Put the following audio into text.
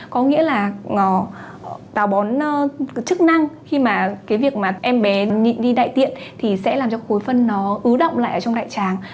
có nghĩa là đào bón chức năng khi mà cái việc mà em bé đi đại tiện thì sẽ làm cho khối phân nó ứ động lại ở trong đại tràng